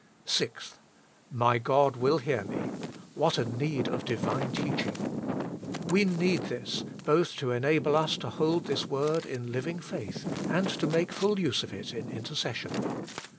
6. " My God will hear me" What a need of Divine teaching! We need this, both to enable us to hold this word in living faith, and to make full use of it in intercession.